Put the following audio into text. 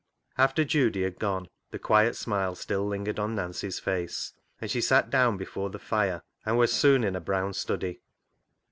After Judy had gone the quiet smile still lingered on Nancy's face, and she sat down before the fire, and was soon in a brown study.